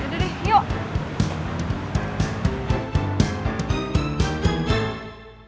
yaudah deh yuk